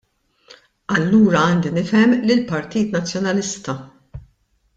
Allura għandi nifhem li l-Partit Nazzjonalista.